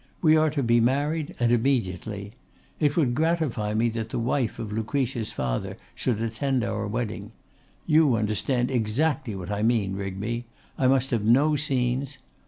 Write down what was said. We are to be married, and immediately. It would gratify me that the wife of Lucretia's father should attend our wedding. You understand exactly what I mean, Rigby; I must have no scenes.